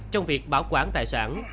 trong việc bảo quản tài sản